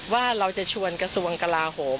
ว่าเราจะชวนกระทรวงกลาโหม